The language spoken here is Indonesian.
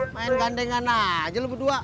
main gandengan aja lu berdua